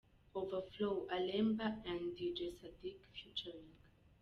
Overflow – Alemba & Dj Sadic ft.